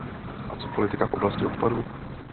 A co politika v oblasti odpadů?